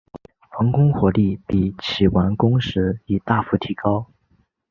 防空火力比起完工时已大幅提高。